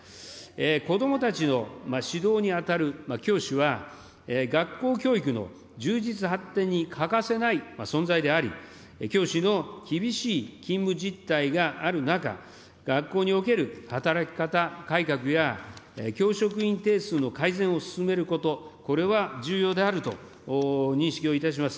子どもたちの指導に当たる教師は、学校教育の充実発展に欠かせない存在であり、教師の厳しい勤務実態がある中、学校における働き方改革や、教職員定数の改善を進めること、これは重要であると認識をいたします。